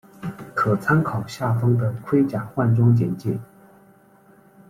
可参考下方的盔甲换装简介。